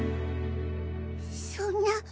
そんな。